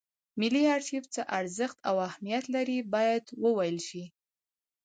ملي ارشیف څه ارزښت او اهمیت لري باید وویل شي.